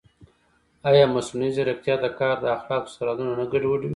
ایا مصنوعي ځیرکتیا د کار د اخلاقو سرحدونه نه ګډوډوي؟